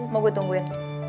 mau gue tungguin